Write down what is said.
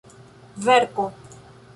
verko